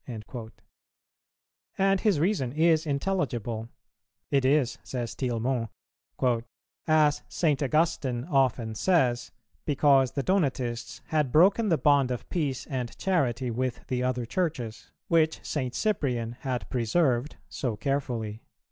"[364:1] And his reason is intelligible: it is, says Tillemont, "as St. Augustine often says, because the Donatists had broken the bond of peace and charity with the other Churches, which St. Cyprian had preserved so carefully."